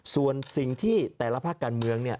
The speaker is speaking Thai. ส่วนสิ่งที่แต่ละภาคการเมือง